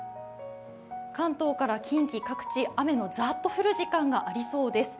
関東から近畿、各地、雨のザーっと降る時間がありそうです。